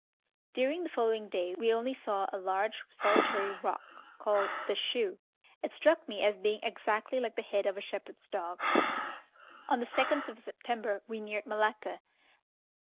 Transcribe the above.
During the following day we only saw a large solitary rock called "The Shoe." It struck me as being exactly like the head of a shepherd's dog. On the 2nd of September we neared Malacca.